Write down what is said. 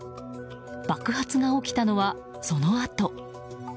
爆発が起きたのは、そのあと。